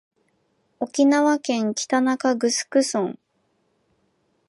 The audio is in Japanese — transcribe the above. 沖縄県北中城村